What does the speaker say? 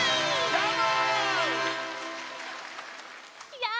どーも！